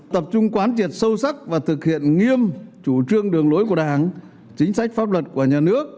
tập trung quán triệt sâu sắc và thực hiện nghiêm chủ trương đường lối của đảng chính sách pháp luật của nhà nước